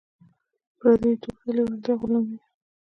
پردیو توکو ته لیوالتیا غلامي ده.